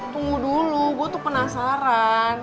tunggu dulu gue tuh penasaran